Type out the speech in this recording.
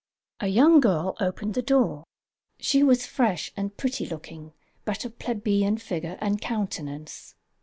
A young girl opened the door. She was fresh and pretty looking, but of plebeian figure and countenance.